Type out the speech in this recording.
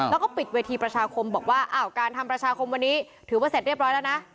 แล้วก็ปิดเวทีประชาคมบอกว่าอ้าวการทำประชาคมวันนี้ถือว่าเสร็จเรียบร้อยแล้วนะ